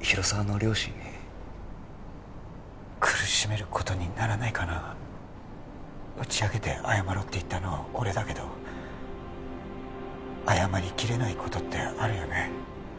広沢の両親に苦しめることにならないかな打ち明けて謝ろうって言ったのは俺だけど謝りきれないことってあるよね